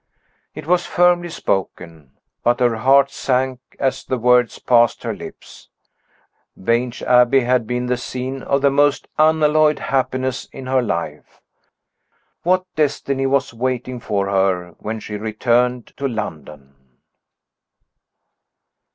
It was firmly spoken. But her heart sank as the words passed her lips. Vange Abbey had been the scene of the most unalloyed happiness in her life. What destiny was waiting for her when she returned to London?